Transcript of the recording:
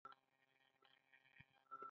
ایا زه باید له ډوډۍ وروسته وګرځم؟